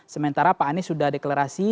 sementara pak anies sudah deklarasi